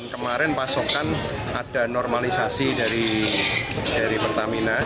kemarin pasokan ada normalisasi dari pertamina